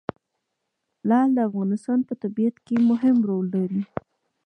لعل د افغانستان په طبیعت کې مهم رول لري.